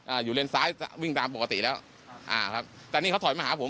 อยู่เลนซ้ายวิ่งตามปกติแล้วอ่าครับแต่นี่เขาถอยมาหาผม